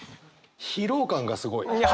疲労感がすごい。